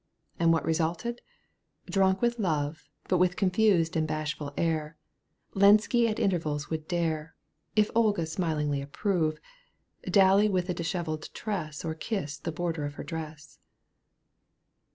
And what resulted ? Drunk with love, But with confused and bashful air, Lenski at intervals would dare. If Olga smilingly approve, Dally with a dishevelled tress Or kiss the border of her dress.